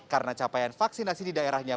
karena capaian vaksinasi di daerahnya